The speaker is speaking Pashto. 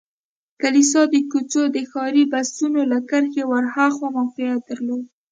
کلیسا د کوڅې د ښاري بسونو له کرښې ور هاخوا موقعیت درلود.